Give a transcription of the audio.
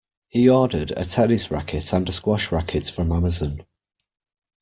He ordered a tennis racket and a squash racket from Amazon.